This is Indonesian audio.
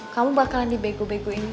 kamu bakalan dibegu beguin sama dia